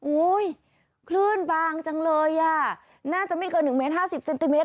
อุ้ยคลื่นบางจังเลยอ่ะน่าจะไม่เกิน๑เมตรห้าสิบเซนติเมต